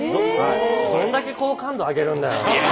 どんだけ好感度上げるんだよ！